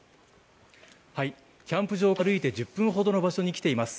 キャンプ場から歩いて１０分ほどの場所に来ています。